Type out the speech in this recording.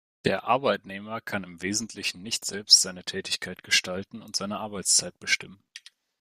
Der Arbeitnehmer kann im Wesentlichen nicht selbst seine Tätigkeit gestalten und seine Arbeitszeit bestimmen.